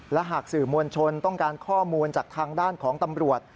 และหากสื่อมวลชนต้องการข้อมูลจากทางด้านของตำรวจ